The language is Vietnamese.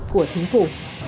của chính phủ